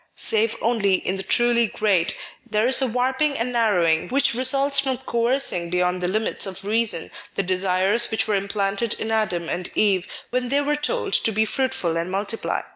Save only in the truly great, there is a warping and narrowing which results from coercing beyond the limits of reason the desires which were implanted in Adam and Eve whtn they were told to be fruitful and multiply.